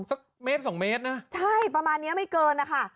สักเมตรสองเมตรนะใช่ประมาณเนี้ยไม่เกินนะคะ